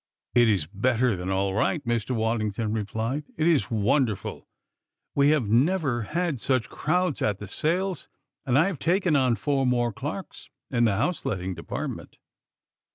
"It is better than all right," Mr. Waddington replied. "It is wonderful. We have never had such crowds at the sales, and I have taken on four more clerks in the house letting department."